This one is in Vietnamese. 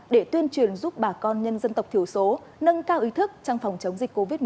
để tuyên truyền giúp bà con nhân dân tộc thiểu số nâng cao ý thức trong phòng chống dịch covid một mươi chín